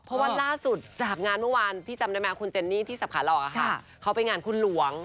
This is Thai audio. เพราะว่าล่าสุดจากงานเมื่อวานที่จำได้ไหมคุณเจนนี่ที่สับขาหลอกเขาไปงานคุณหลวง